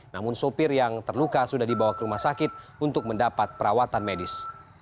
namun sopir yang terluka sudah dibawa ke rumah sakit untuk mendapat perawatan medis